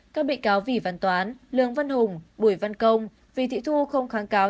các bị cáo vị văn toán lương văn hùng bùi văn công vị thị thu không kháng cáo